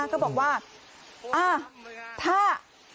เขาบอกว่าถ้า